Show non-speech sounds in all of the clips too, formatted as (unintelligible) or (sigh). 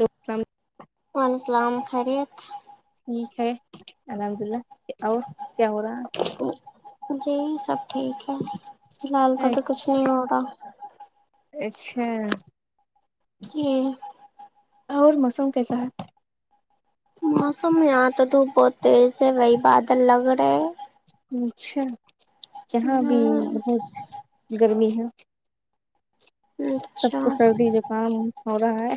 لقسام (inaudible) وعلیکم السلام خیریت ٹھیک ہے الحمد للہ اور کیا ہو رہا ہے جی سب ٹھیک ہے فی الحال تو ابھی کچھ نہیں اچھا ہو رہا اچھا کے اور موسم کیسا ہے موسم یہاں تو دھوپ بہت تیز ہے وہی بادل لگ رہے ہے اچھا جہاں بھی ہوں بہت گرمی ہے سب اچھا کو سردی زخام ہو رہا ہے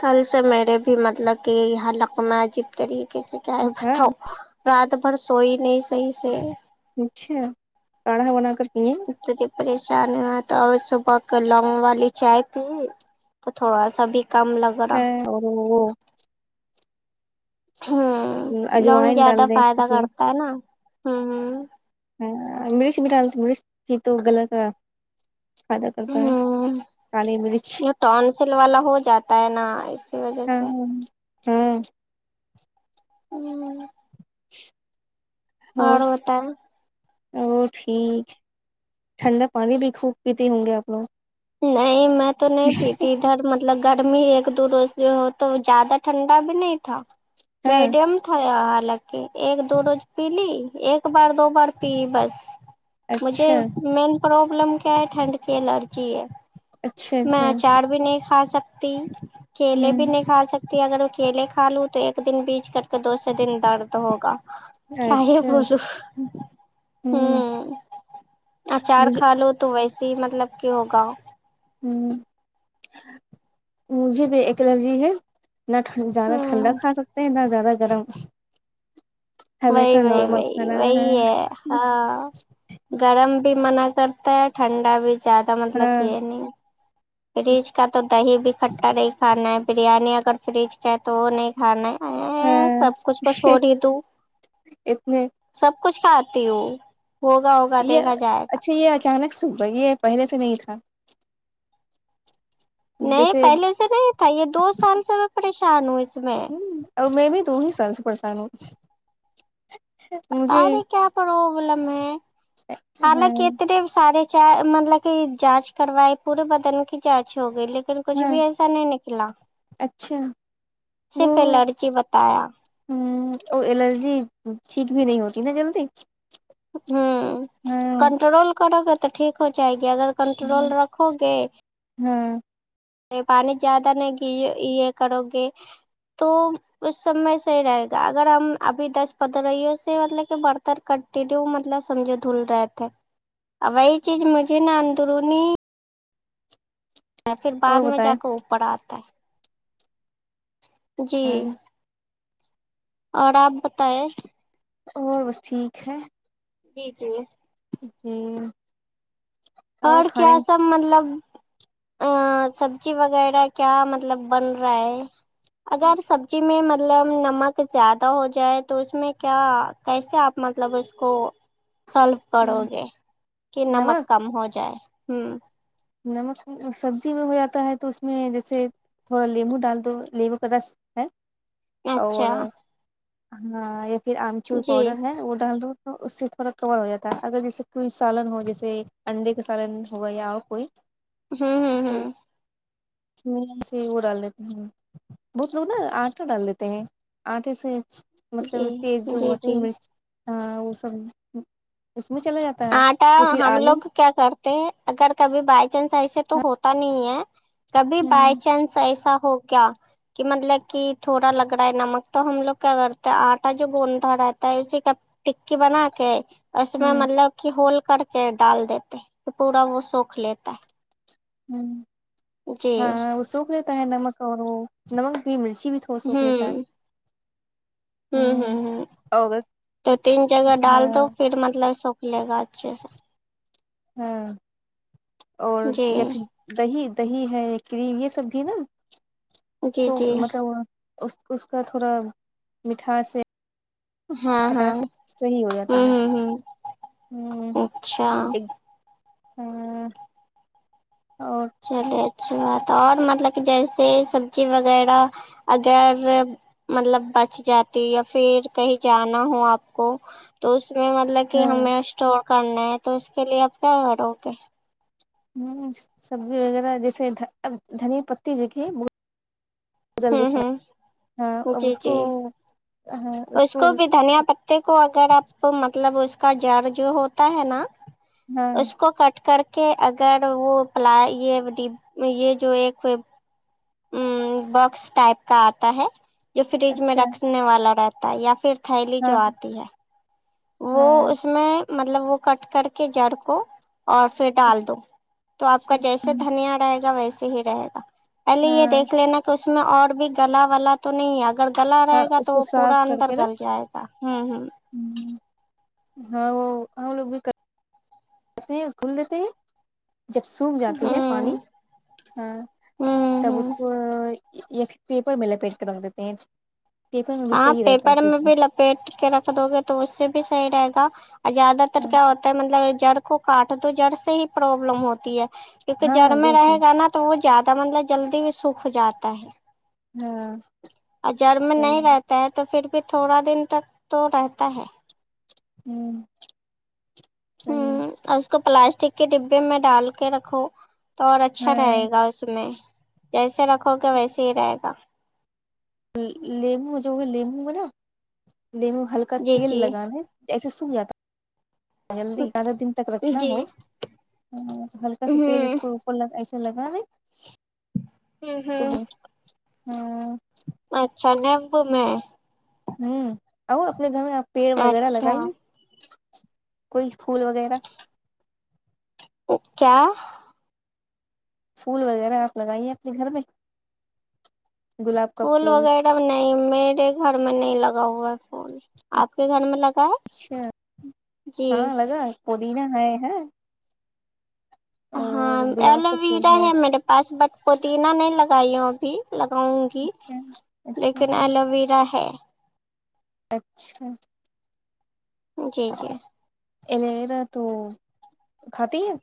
کل سے میرے بھی مطلب کہ یہ حل لخ میں عجیب طریقے سے کیا ہے ہاں بتاؤ رات بھر سوئی نہیں صحیح سے اچھا کاڑھا بنا کر پئیں پریشان ہو تو آؤ صبح کا لونگ والی چائے پی تھوڑا سا بھی کم لگ رہا (unintelligible) ہوں لونگ اجوائن زیادہ ڈال دیں فائدہ اس میں کرتا ہے نا ہمم ہاں مرچ بھی ڈال تو مرچ ہی تو غلط آ فائدہ کرتا ہے کالی مرچ ٹون سل والا ہو جاتا ہے نا اس ہاں ہاں اور ہوتا ہے او ٹھیک ٹھنڈا پانی بھی خوب پیتے ہوں گے آپ لوگ نہیں میں تو نہیں پیتی اھر مطلب گرمی ایک دو روز بھی ہو تو زیادہ ٹھنڈا بھی نہیں تھا ہاں میڈم یا حالانکہ کے ایک دو روز پی لی ایک بار دو بار پی بس مجھے اچھا مین پرابلم کیا ہے ٹھنڈ کی الرجی ہے اچھا میں اچھا اچار بھی نہیں کھا سکتی کیلے بھی ہوں نہیں کھا سکت تے اگر کیلے کھا لوں تو ایک دن بیج کر کے دوسرے دن درد ہوگا کیا ہی اچھا ہوں بولو ہوں اچار مجھے کھا لو تو ویسے ہی مطلب کہ ہوگا ہوں مجھے بھی ایک الرجی ہے نہ ٹھ زیادہ ٹھنڈا ہوں کھا سکتے ہیں نہ زیادہ گرم وہی ہمیشہ وہی نارمل وہی کھانا وہی ہے ہاں گرم بھی منع کرتا ہے ٹھنڈا بھی زیادہ مطلب ہاں یہ نہیں فریج کا تو دہی بھی کھٹا نہیں کھانا ہے بریانی اگر فریج کا تو نہیں کھانا امم سب ہاں کچھ تو چھوڑ ہی دو اتنے سب کچھ کھاتی ہوں ہوگا ہوگا یہ دیکھا جائے گا اچھا یہ اچانک سب یہ پہلے سے نہیں تھا نہیں جیسے پہلے سے نہیں تھا یہ دو سال سے میں پریشان ہوں اس میں اہ اور میں بھی دو ہی سال سے پریشان ہو ارے کیا پرابلم ہے ہاں حالانکہ اتنے سارے جا مطلب کہ جانچ کروائی پورے بدن کی جانچ ہو گئی لیک لیکن کچھ ہاں بھی ایسا نہیں نکلا اچھا صرف الرجی بتایا ہوں اور الرجی ٹھیک بھی نہیں ہوتی نا جلدی ہم ہاں کنٹرول کرو گے تو ٹھیک ہو جائے گی اگر کنٹرول رکھو گے ہوں یہ پانی زیادہ نہیں گی یہ کرو گے تو اس سب میں صحیح رہے گا اگر ہم ابھی دس پندریوں سے مطلب کہ برتر کٹ دوں مطلب سمجھو دھل رہا تھا وہی چیز مجھے نا اندرونی پھر بعد اور میں جا بتائیں کے اوپر آتا ہے جی اور آپ بتاۓ اور بس ٹھیک ہے جی جی جی اور کیا سب مطلب آں سبزی وغیرہ کیا مطلب بن را ہے اگر سب جی میں مطلب نمک زیادہ ہو جائے تو اس میں کیا کیسے آپ مطلب اس کو سالو کرو گے کی نمک کم ہو جائے ہوں نمک سبزی میں ہو جاتا ہے تو اس میں جیسے تھوڑا لیمبو ڈال دو لیمبو کا رس ہے اور اچھا ہاں یا پھر آمچور جی پاؤڈر ہے وہ ڈال دو اس سے تھوڑا کور ہو جاتا ہے اگر جیسے کوئی سالن ہو جیسے انڈے کا سالن ہوگا یا اور کوئی ہوں ہوں تو ہوں اس میں سے ہی وہ ڈال لیتے ہیں بہت لوگ نا آٹا ڈال لیتے ہیں آٹے سے جی مطلب تیز جو جی ہوتی جی مرچ آ وہ سب اس میں چلا جات آٹا ہم لوگ کیا کرتے ہیں اگر کبھی بائی چانس ایسے تو ہوتا نہیں ہے کبھی بائی ہ چانس ایسا ہو کیا کی مطلب کی تھوڑا لگ رہا ہے نمک تو ہم لوگ کیا کرتے ہیں آٹا جو گوندتا رہتا ہے اسی کا ٹکی بنا کے اس میں ہ مطلب کی ہول کر کے ڈال دیتے پورا وہ سوکھ لیتا ہے جی ہاں وہ سوکھ لیتا ہے نمک اور وہ نمک بھی مرچی بھی وہ سوکھ لیتا ہے ہمم ہ ہمم ہمم اور تو تین جگہ ڈال دو ہاں پھر مطلب سوکھ لے گا اچھے سے ہاں اور جی یا فر دہی دہی ہے کریم یہ سب بھی نا جی سو جی مطلب اس اس کا تھوڑا مٹھاس ہے ہاں ہاں صحیح ہو ہمم جاتا ہے ہمم ہ ہمم اچھا ایک ہاں اور چلیے اچھی بات اور مطلب کہ جیسے سبزی وغیرہ اگر مطلب بچ جاتی یا پھر کہیں جانا ہو آپ کو تو اس میں م طلب کہ ہاں ہمیں اسٹور کرنا ہے تو اس کے لیے آپ کیا کرو گے ہمم سبزی وغیرہ جیسے اب دھنی پتی جو جلدی ہوں خراب ہوں ہاں ا جی اس کو جی ہاں اس کو اسکول بھی دھنیا پتے کو اگر آپ مطلب اس کا جڑ جو ہوتا ہے نا ہاں اس کو کٹ کر کہ اگر وہ پ یہ یہ جو ایک (unintelligible) ا باکس ٹائپ کا آتا ہے جو فریج میں اچھا رکھنے والا رہتا ہے یا پھر تھیلی ہاں جو آتی ہے وہ ہاں اس میں مطلب وہ کٹ کر کے جڑ کو اور پھر ڈال دو تو آپ کا اچھا جیسے دھنیا رہے گا ویسے ہی رہے گا پہلے یہ ہاں دیکھ لینا تو اس میں اور بھی گلا ولا تو نہیں ہے اگر گلا ہاں رہے گا اس تو کو وہ پورا اندر گل جائے ہوں ہوں ہمم ہاں وہ ہم لوگ بھی کہتے ہیں کھل دیتے ہیں جب سوکھ جاتی ہے پانی ہوں ہاں ہوں تب اس ہوں کو یاھر پیپر میں لپیٹ کے رکھ دیتے ہیں پیپر میں بھی صحیح رہتا ہے فیٹ کے رکھ دو گے تو اس سے بھی صحیح رہے گا اور زیادہ تر ہاں کیا ہو مطلب جڑ کو کاٹ دو جڑ سے ہی پروابلم ہوتی ہے کیونکہ جڑ ہاں میں جیسے رہے گا نا تو وہ زیادہ مطلب جلدی بھی سوکھ جاتا ہے ہاں اور جڑ میں صحیح نہیں رہتا ہے تو پھر بھی تھوڑا دن تک تو رہتا ہے ہوں صحیح ہوں اور اس کو پلاسٹک کے ڈبے میں ڈال کے رکھو تو اور اچھا رہے ہاں گا اس میں جیسے رکھو گے ویسے ہی رہے گا لیمو جو لیمو میں نا لیمو ہلکا جی تیل جی لگانا جسے سوکھ جاتا جلدی زیادہ دن تک رکھنا جی ہو ہلکا سا تیل اس ہوں کو ایسے لگا دے ہ تو ب ہوں ہاں اچھا نیمبو میں ہوں اور اپنے گھر میں آپ پیڑ وغیرہ اچھا لگائیے کوئی پھول وغیرہ کیا پھول وغیرہ آپ لگائیے اپنے گھر میں گلاب کا پھول وغیرہ نہیں میرے گھر میں نہیں لگا ہوا ہے پھول آپ کے گھر میں لگا اچھا ہے جی ہاں لگا پودینہ ہے ہ ہاں گلاب ایلو کا پھول ویرا ہے میرے پاس بٹ پودینہ نہیں لگائی ہوں ابھی لگاؤں گی اچھا کی اچھا لیکن ایلو ویرا ہے اچھا جی جی ایلوویرا تو کھاتی ہو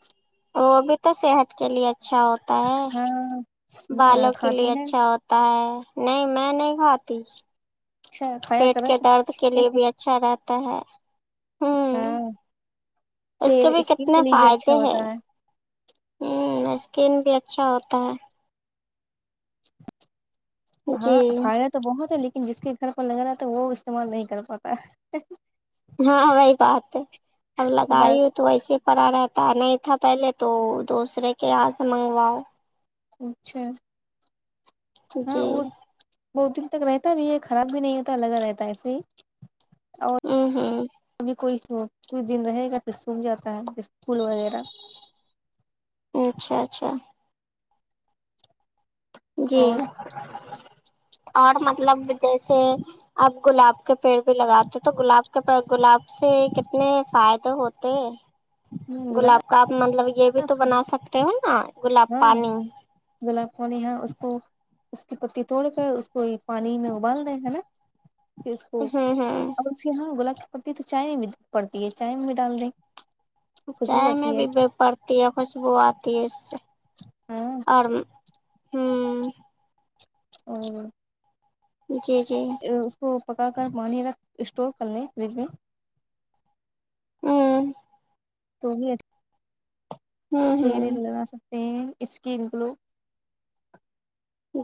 وہ بھی تو صحت کے لیے اچھا ہوتا ہے ہاں بالوں کے کھاتی لیے ہے اچھا ہو تا ہے نہیں میں نہیں کھاتی اچھا کھایا پیٹ کریں کے درد کے لیے بھی اچھا رہتا ہے ہاں ہوں اس کے چہرے بھی اسکن کے کتنے لیے بھی اچھا فائدے ہیں ہوتا ہے ہوں اسکن بھی اچھا ہوتا ہے ہے جی ہاں فائد تو بہت ہے لیکن جس کے گھر پر لگا رہا تھا وہ استعمال نہیں کر پاتا ہاں وہی بات ہے اب لگائی بات ہو تو ویسے پڑا رہتا نہیں تھا پہلے تو دوسرے کے یہاں سے منگواؤ اچھا ہاں جی وہ بہت دن تک رہتا بھی ہے خراب بھی نہیں ہوتا لگا رہتا ایسے ہی اور ہوں ہوں ابھی کوئی کچھ دن رہے گا تو پھر سکھ جاتا ہے اسکول وغیرہ اچھا اچھا جی اور اور مطلب جیسے اب گلاب کے پیڑ بھی لگاتے تو گلاب کے گلاب سے کتنے فائدے ہوتے ہے گلاب کا آپ مطلب یہ بھی تو بنا سکتے ہو نا گلاب ہاں پانی گلاب پانی ہے اس کو اس کی پتی توڑ کر اس کو یہ پانی میں ابال دیں ہے نا پھر اس کو ہوں ہوں یہاں گلاب کی پتی ہے تو چائے میں بھی پڑتی ہے چائے میں بھی ڈال دیں خوشبو چائے میں آتی ہے بھی پڑتی ہے خوشبو آتی ہے اس سے ہاں اور بھی ہوں اور جی جی اس کو پکا کر پانی رکھ اسٹور کر لیں فریج میں ہوں تو بھی اب ہوں چہرے ہوں کو لگا سکتے ہیں اسکن گلو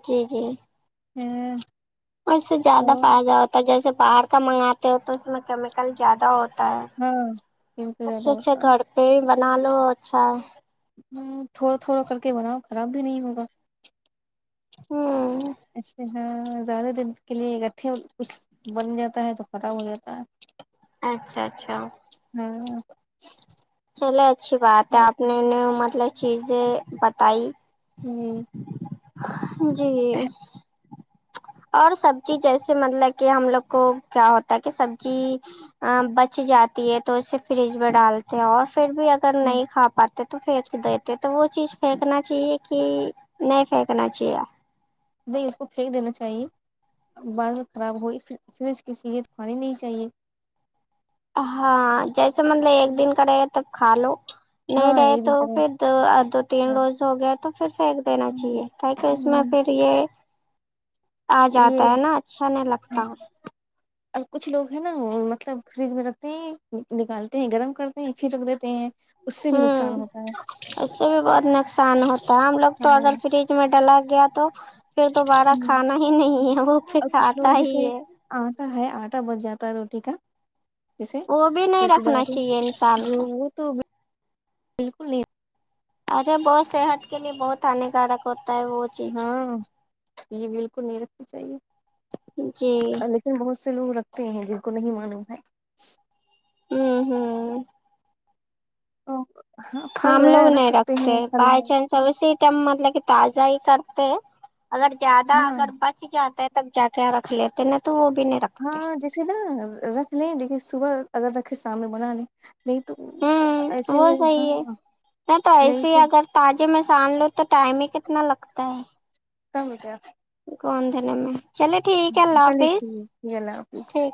جی جی ہوں اور اس سے زیادہ فائدہ ہوتا ہے جیسے باہر کا منگاتے ہو تو اس میں کیمیکل زیادہ ہو ہوتا ہے بالکل اس زیادہ سے اچھا ہوتا ہے گھر پہ بنا لو اچھا ہے ہوں تھوڑا تھوڑا کر کے بناؤ خراب بھی نہیں ہوگا ہوں اچھا ہاں زیادہ دیر کے لیے رکھے کچھ بن جاتا ہے تو خراب ہو جاتا ہے اچھا اچھا ہاں چلے اچھی بات ہے آپ نے نیو مطلب چیزیں بتائی ہوں جی اور سبزی جیسے مطلب کہ ہم لوگ کو کیا ہوتا ہے کہ سبزی بچ جاتی ہے تو اسے فریج میں ڈال اور پھر بھی اگر نہیں کھا پاتے تو پھیک دیتے تو وہ چیز پھینکنا چاہیے کہ نہیں پھینکنا چاہیے نہیں اس کو پھینک دینا چاہیے بعد میں خراب ہوئی فریج کی چیزے تو کھانی نہیں چاہیے ہاں جیسے مطلب ایک دن کا راہے تب کھا لو نہیں ہاں رہے تو ایک پھر طرح دو دو تین روز ہو گیا تو پھر پھینک دینا چاہیے کا کہ اس میں پھر یہ آ جاتا ہے یہ نا اچھا نہیں لگتا اور کچھ لوگ ہیں نا وہ مطلب فریج میں رکھتے ہیں نکالتے ہیں گرم کرتے ہیں پھر رکھ دیتے ہیں اس سے بھی نقصان ہوں ہوتا ہے اس سے بھی بہت نقصان ہوتا ہے ہم لوگ تو اگر ہاں فریج میں ڈالا گیا تو پھر دوبارہ کھانا ہی نہیں ہے وہ پھر اور کچھ کھاتا لوگ ہی جیسے ہے آٹا ہے آٹا بچ جاتا ہے روٹی کا جیسے وہ بھی نہیں روٹی رکھنا بناتے چاہیے انسان کو ہے تو بالکل نہیں ارے وہ صحت کے لیے بہت ہانیکارک ہوتا ہے وہ چیز ہاں یہ بالکل نہیں رکھنی چاہیے جی لیکن بہت سے لوگ رکھتے ہیں جن کو نہیں معلوم ہے ہوں ہوں تو پھل ہے رکھ سکتے ہیں پھل ہے سو سیٹم مطلب کہ تازہ ہی کرتے ہیں اگر زیادہ ہاں اگر بچ جاتا ہے تب جا کے رکھ لیتے نا تو وہ بھی نہیں رکھ ہاں جیسے نا رکھ لیں لیکن صبح اگر رکھیں شام میں بنا لیں نہیں تو ہوں ایسے وہ صحیح ہے ہاں نہیں ایسے ہی تو اگر تازے میں سان لو تو ٹائم ہی کتنا لگتا ہے (unintelligible) گندن میں چلے ٹھیک ہے ہاں اللہ چلیے حافظ چلیے ٹھیک ہے اللہ حافظ ٹھیک